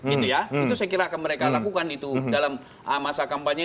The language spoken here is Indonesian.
itu saya kira akan mereka lakukan itu dalam masa kampanye